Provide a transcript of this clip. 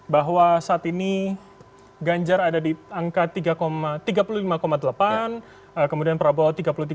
bahwa saat ini ganjar ada di angka tiga puluh lima delapan kemudian prabowo tiga puluh tiga